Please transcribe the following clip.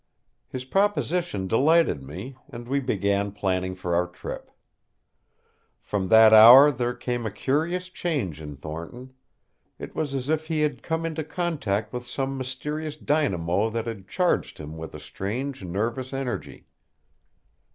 His proposition delighted me, and we began planning for our trip. From that hour there came a curious change in Thornton. It was as if he had come into contact with some mysterious dynamo that had charged him with a strange nervous energy.